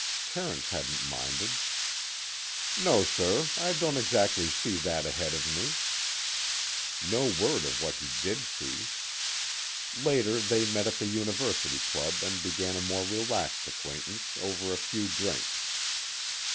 Terence hadn't minded. "No, sir, I don't exactly see that ahead of me." No word of what he did see. Later they met at the University Club and began a more relaxed acquaintance over a few drinks.